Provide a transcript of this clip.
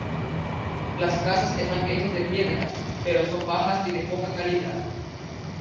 Las casas están hechas de piedra, pero son bajas y de poca calidad.